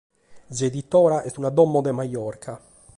S’editora est una domo de Majorca.